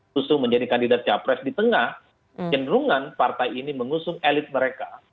susu menjadi kandidat capres di tengah cenderungan partai ini mengusung elit mereka